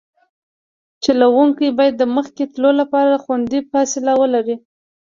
چلوونکی باید د مخکې تلو لپاره خوندي فاصله ولري